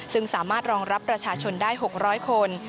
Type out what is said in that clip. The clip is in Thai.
ซึ่งสามารถรองรับประชาชนได้๖๐๐คน